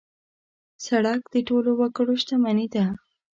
سړک د ټولو وګړو شتمني ده.